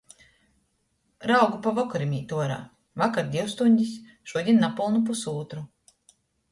Raugu pa vokorim īt uorā. Vakar div stuņdis, šudiņ napylnu pusūtru.